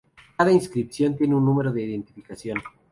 Cada inscripción tiene un número de identificación.